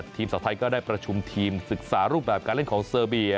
สาวไทยก็ได้ประชุมทีมศึกษารูปแบบการเล่นของเซอร์เบีย